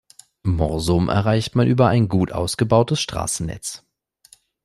Morsum erreicht man über ein gut ausgebautes Straßennetz.